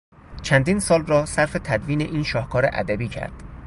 چندین سال را صرف تدوین این شاهکار ادبی کرد.